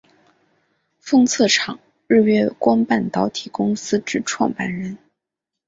封测厂日月光半导体公司之创办人。